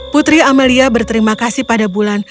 putri amelia berterima kasih pada bulan